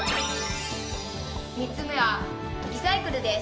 「３つ目はリサイクルです。